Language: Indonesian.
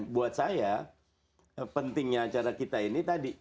buat saya pentingnya acara kita ini tadi